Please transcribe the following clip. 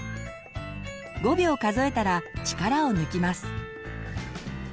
５秒数えたら力を抜きます。